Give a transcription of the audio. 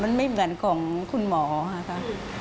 มันไม่เหมือนของคุณหมอค่ะ